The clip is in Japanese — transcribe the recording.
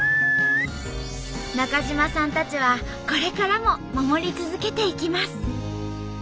中島さんたちはこれからも守り続けていきます。